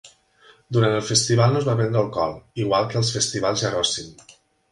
Durant el festival no es va vendre alcohol, igual que als festivals Jarocin.